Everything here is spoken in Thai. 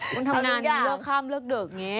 มันทำงานเลิกข้ามเลิกดึกอย่างนี้